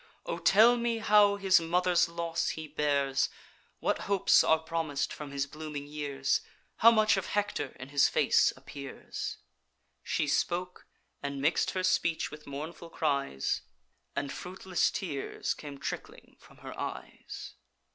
O tell me how his mother's loss he bears, What hopes are promis'd from his blooming years, How much of Hector in his face appears?' She spoke; and mix'd her speech with mournful cries, And fruitless tears came trickling from her eyes.